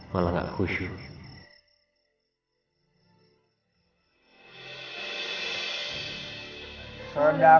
malah jadi kurus